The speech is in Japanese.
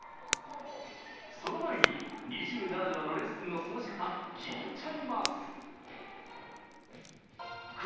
その前にＮｉｚｉＵならではのレッスンの過ごし方聞いちゃいます！